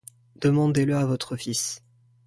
Demandez-le à votre fils.